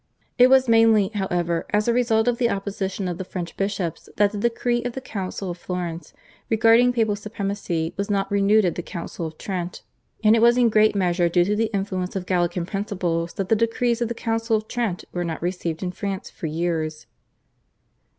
It was mainly, however, as a result of the opposition of the French bishops that the decree of the Council of Florence regarding papal supremacy was not renewed at the Council of Trent, and it was in great measure due to the influence of Gallican principles that the decrees of the Council of Trent were not received in France for years.